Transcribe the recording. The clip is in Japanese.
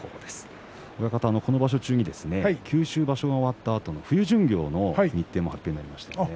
場所中に九州場所が終わったあとの冬巡業の日程も発表になっていますね。